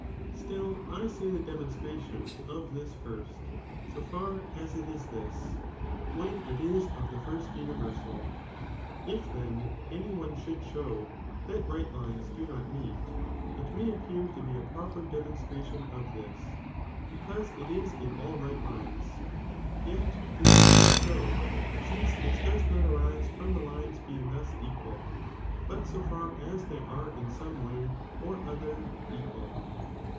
Still I say the demonstration of this first, so far as it is this, when it is of the firat universal. U then any one should show that right lines do not meet, it may appear to be (a proper) demonstration of this, because it is in all right lines, yet this is not so, since this does not arise from the lines being thus equal, but so far as they are in some way or other equal.